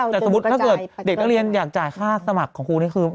แต่สมมุติถ้าเกิดเด็กนักเรียนอยากจ่ายค่าสมัครของครูนี่คือ